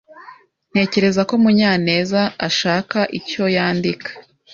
Ntekereza ko Munyanezashaka icyo yandika.